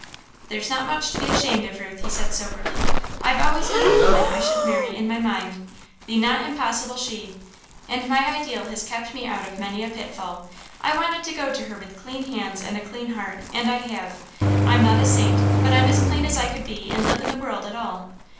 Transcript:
"There's not much to be ashamed of, Ruth," he said, soberly. "I've always had the woman I should marry in my mind 'the not impossible she,' and my ideal has kept me out of many a pitfall I wanted to go to her with clean hands and a clean heart, and I have. I'm not a saint, but I'm as clean as I could be, and live in the world at all."